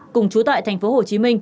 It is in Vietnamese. cùng chú tại tp hcm